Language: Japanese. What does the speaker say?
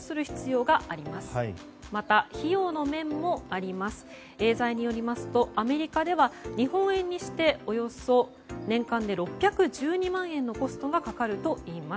エーザイによりますとアメリカでは日本円にしておよそ年間で６１２万円のコストがかかるといいます。